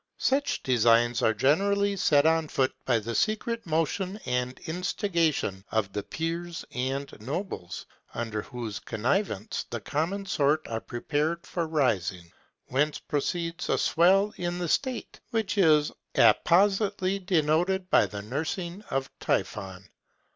Such designs are generally set on foot by the secret motion and instigation of the peers and nobles, under whose connivance the common sort are prepared for rising; whence proceeds a swell in the state, which is appositely denoted by the nursing of Typhon.